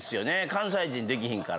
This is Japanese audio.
関西人できひんから。